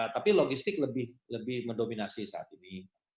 tapi logistik lebih mendominasi saat ini